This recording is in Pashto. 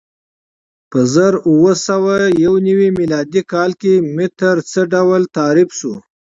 په زر اووه سوه یو نوې میلادي کال کې متر څه ډول تعریف شو؟